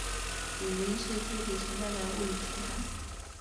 语音是具体存在的物理现象。